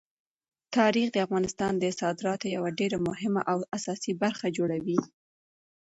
تاریخ د افغانستان د صادراتو یوه ډېره مهمه او اساسي برخه جوړوي.